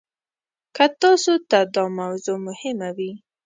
که تاسو ته دا موضوع مهمه وي.